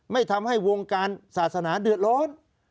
ไม่ทำให้วงการศาสนาเดือดร้อน